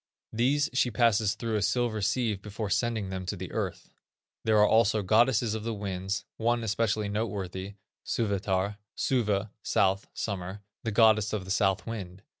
These she passes through a silver sieve before sending them to the earth. There are also goddesses of the winds, one especially noteworthy, Suvetar (suve, south, summer), the goddess of the south wind.